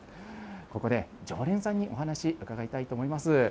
ここで、常連さんにお話、伺いたいと思います。